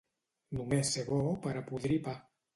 Només ser bo per a podrir pa.